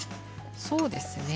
そうですね。